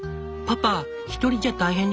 パパ一人じゃ大変でしょ？